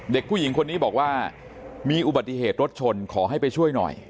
เด็กผู้หญิงคนนี้บอกว่ามีอุบัติเหตุรถชนขอให้ไปช่วยหน่อย